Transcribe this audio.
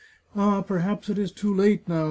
" Ah, per haps it is too late now !